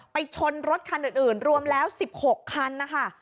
ไปชนรถคันอื่นรวมแล้ว๑๖คันนะคะ